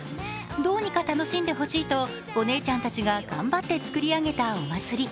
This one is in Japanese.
どうにか楽しんでほしいとお姉ちゃんたちが頑張って作り上げたお祭り。